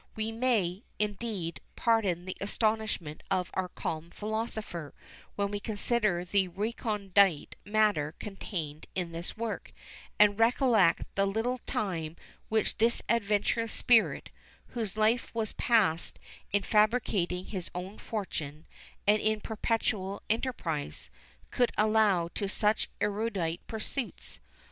We may, indeed, pardon the astonishment of our calm philosopher, when we consider the recondite matter contained in this work, and recollect the little time which this adventurous spirit, whose life was passed in fabricating his own fortune, and in perpetual enterprise, could allow to such erudite pursuits.